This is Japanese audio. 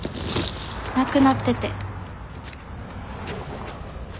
なくなってて。